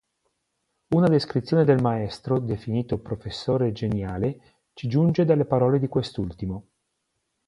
Una descrizione del maestro, definito "professore geniale" ci giunge dalle parole di quest'ultimo.